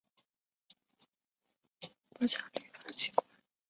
纳米比亚议会是纳米比亚的国家立法机关。